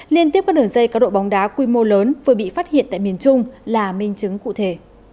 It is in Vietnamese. liên tiếp các đường dây có đội bóng đá quy mô lớn vừa bị phát hiện tại miền trung là minh chứng cụ thể